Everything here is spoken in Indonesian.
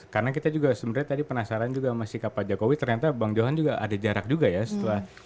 karena kita juga sebenarnya tadi penasaran juga masih ke pak jokowi ternyata bang johan juga ada jarak juga ya setelah